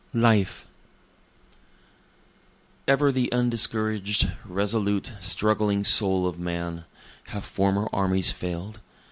Life Ever the undiscouraged, resolute, struggling soul of man; (Have former armies fail'd?